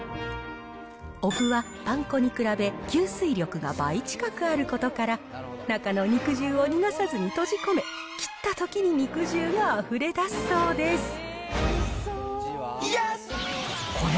おふはパン粉に比べ、吸水力が倍近くあることから、中の肉汁を逃がさずに閉じ込め、切ったときに肉汁があふれ出すそうです。